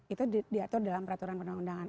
itu diatur dalam peraturan perundang undangan